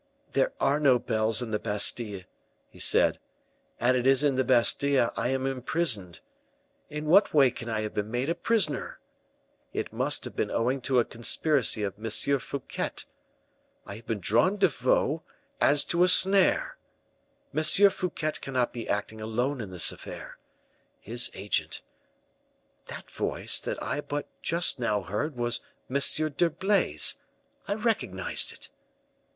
"There are no bells in the Bastile," he said, "and it is in the Bastile I am imprisoned. In what way can I have been made a prisoner? It must have been owing to a conspiracy of M. Fouquet. I have been drawn to Vaux, as to a snare. M. Fouquet cannot be acting alone in this affair. His agent That voice that I but just now heard was M. d'Herblay's; I recognized it.